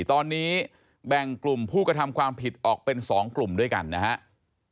ตอนนี้แบ่งกลุ่มผู้กระทำความผิดออกเป็น๒กลุ่มด้วยกันนะครับ